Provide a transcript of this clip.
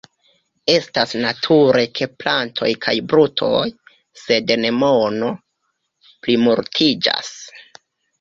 Estas nature ke plantoj kaj brutoj, sed ne mono, plimultiĝas.